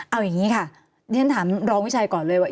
เอาอย่างนี้ค่ะเรียนถามรองวิชัยก่อนเลยว่า